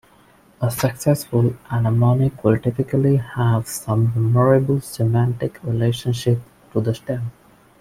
A successful anamonic will typically have some memorable semantic relationship to the stem.